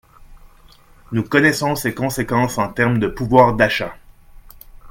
Nous connaissons ses conséquences en termes de pouvoir d’achat.